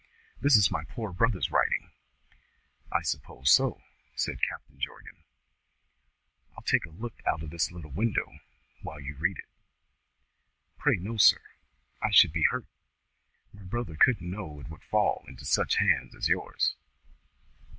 "This is my poor brother's writing!" "I suppose so," said Captain Jorgan. "I'll take a look out of this little window while you read it." "Pray no, sir! I should be hurt. My brother couldn't know it would fall into such hands as yours."